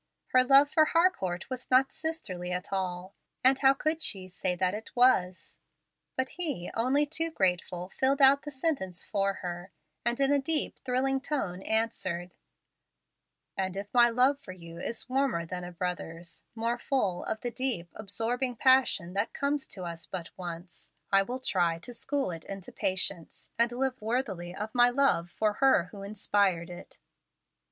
Her love for Harcourt was not sisterly at all, and how could she say that it was? But he, only too grateful, filled out the sentence for her, and in a deep, thrilling tone answered, "And if my love for you is warmer than a brother's, more full of the deep, absorbing passion that comes to us but once, I will try to school it into patience, and live worthily of my love for her who inspired it."